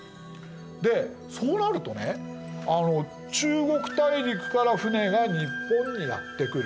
でそうなるとね中国大陸から船が日本にやって来る。